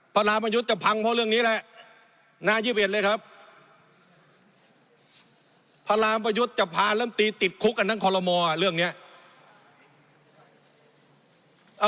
พระรามประยุทธ์จะพังเพราะเรื่องนี้แหละ